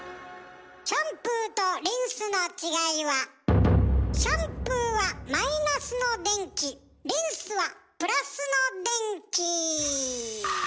シャンプーとリンスの違いはシャンプーはマイナスの電気リンスはプラスの電気。